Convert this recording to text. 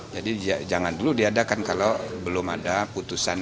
jadi jangan dulu diadakan kalau belum ada putusan